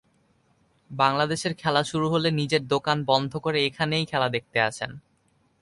বাংলাদেশের খেলা শুরু হলে নিজের দোকান বন্ধ করে এখানেই খেলা দেখতে আসেন।